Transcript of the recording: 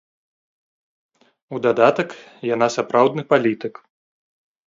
У дадатак, яна сапраўдны палітык.